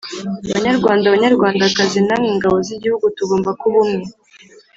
banyarwanda, banyarwandakazi namwe ngabo z'igihugu, tugomba kuba umwe